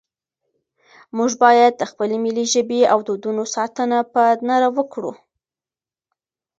موږ باید د خپلې ملي ژبې او دودونو ساتنه په نره وکړو.